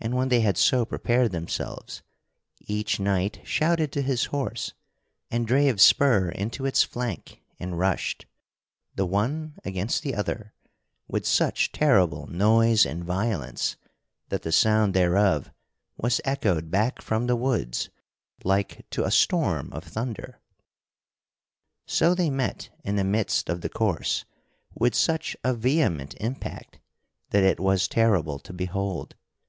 And when they had so prepared themselves, each knight shouted to his horse, and drave spur into its flank and rushed, the one against the other, with such terrible noise and violence that the sound thereof was echoed back from the woods like to a storm of thunder. So they met in the midst of the course with such a vehement impact that it was terrible to behold.